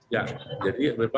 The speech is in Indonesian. ya jadi berbeda